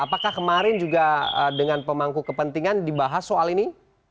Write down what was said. apakah kemarin juga dengan pemangku kepentingan dibahas soal ini